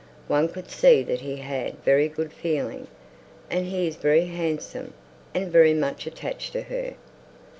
One could see that he had very good feeling; and he is very handsome, and very much attached to her."